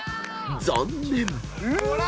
［残念！］